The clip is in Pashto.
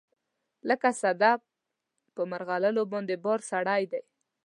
لکه صدف په مرغلروباندې بار سړی دی